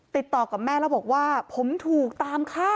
ติดต่อกับแม่แล้วบอกว่าผมถูกตามฆ่า